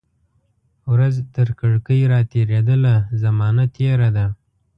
ورځ ترکړکۍ را تیریدله، زمانه تیره ده